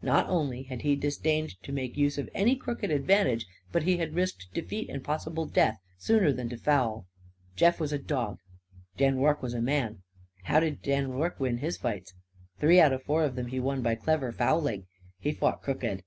Not only had he disdained to make use of any crooked advantage, but he had risked defeat and possible death sooner than to foul. Jeff was a dog. Dan Rorke was a man. How did Dan Rorke win his fights? Three out of four of them he won by clever fouling. He fought crooked.